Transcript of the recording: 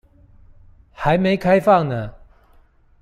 還沒開放呢